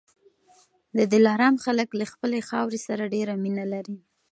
د دلارام خلک له خپلي خاورې سره ډېره مینه لري